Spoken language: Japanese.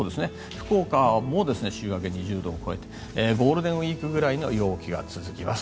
福岡も週明け、２０度を超えてゴールデンウィークぐらいの陽気が続きます。